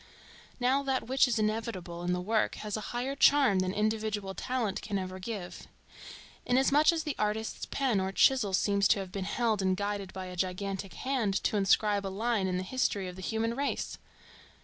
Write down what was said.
Now that which is inevitable in the work has a higher charm than individual talent can ever give, inasmuch as the artist's pen or chisel seems to have been held and guided by a gigantic hand to inscribe a line in the history of the human race.